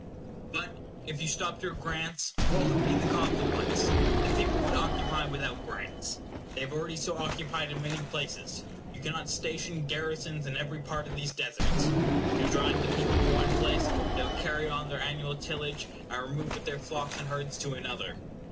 But if you stopped your grants, what would be the consequence? The people would occupy without grants. They have already so occupied in many places. You cannot station garrisons in every part of these deserts. If you drive the people from one place, they will carry on their annual tillage, and remove with their flocks and herds to another.